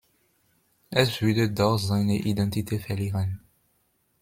Es würde doch seine Identität verlieren.